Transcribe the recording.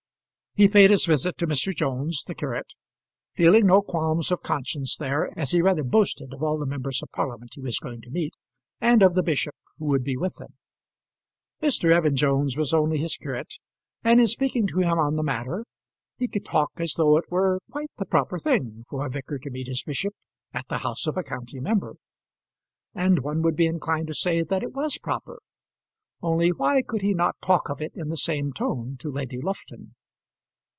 He paid his visit to Mr. Jones, the curate, feeling no qualms of conscience there, as he rather boasted of all the members of Parliament he was going to meet, and of the bishop who would be with them. Mr. Evan Jones was only his curate, and in speaking to him on the matter he could talk as though it were quite the proper thing for a vicar to meet his bishop at the house of a county member. And one would be inclined to say that it was proper: only why could he not talk of it in the same tone to Lady Lufton?